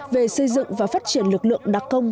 về xây dựng và phát triển lực lượng đặc công